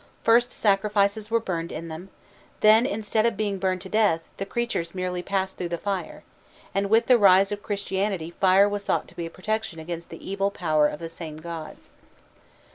First sacrifices were burned in them; then instead of being burned to death, the creatures merely passed through the fire; and with the rise of Christianity fire was thought to be a protection against the evil power of the same gods.